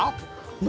何？